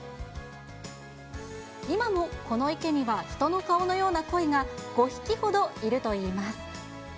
今もこの池には人の顔のようなコイが５匹ほどいるといいます。